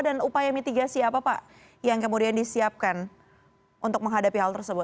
dan upaya mitigasi apa pak yang kemudian disiapkan untuk menghadapi hal tersebut